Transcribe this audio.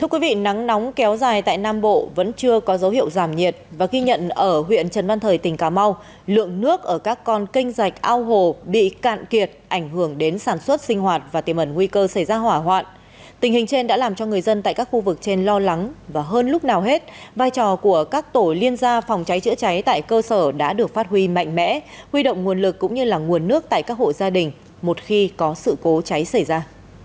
công an huyện bình chánh đã được phát huy mạnh mẽ huy động nguồn lực cũng như là nguồn nước tại các hộ gia đình một khi có sự cố cháy xảy ra